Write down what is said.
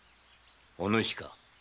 お主か。